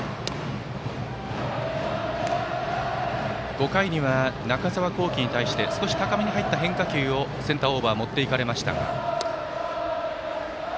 ５回には中澤恒貴に対して少し高めに入った変化球をセンターオーバー持っていかれました。